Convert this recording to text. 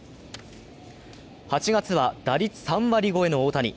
８月は打率３割超えの大谷。